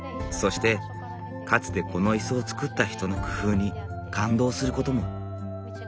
そしてかつてこの椅子を作った人の工夫に感動することも。